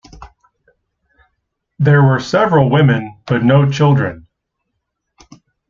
There were several women, but no children.